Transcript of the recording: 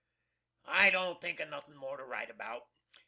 I don't think of nothin' more to write about.